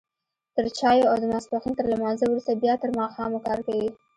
تر چايو او د ماسپښين تر لمانځه وروسته بيا تر ماښامه کار کوي.